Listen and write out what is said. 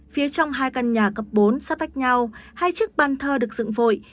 phía trong hai căn nhà cấp bốn sắp vách nhau hai chiếc ban thơ được dựng vội